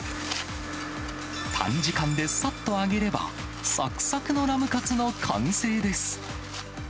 短時間でさっと揚げれば、さくさくのラムカツの完成です。